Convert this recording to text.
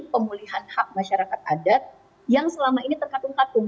pemulihan hak masyarakat adat yang selama ini terkatung katung